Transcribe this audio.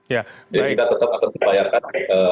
jadi kita tetap akan membayarkan